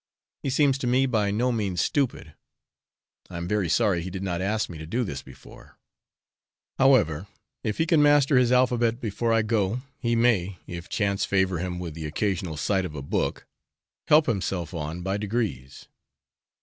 He seems to me by no means stupid. I am very sorry he did not ask me to do this before; however, if he can master his alphabet before I go, he may, if chance favour him with the occasional sight of a book, help himself on by degrees.